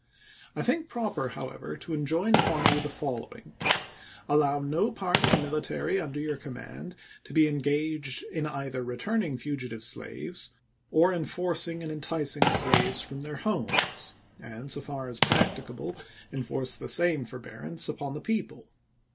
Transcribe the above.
I think proper, how ever, to enjoin upon you the following : Allow no part of the military under your command to be engaged in either returning fugitive slaves or in forcing or enticing slaves from their homes, and, so far as practicable, enforce the same forbearance upon the people.